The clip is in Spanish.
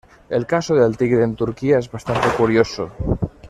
El caso del tigre en Turquía es bastante curioso.